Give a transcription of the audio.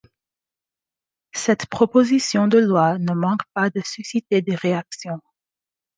Cette proposition de loi ne manque pas de susciter des réactions.